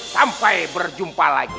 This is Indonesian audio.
sampai berjumpa lagi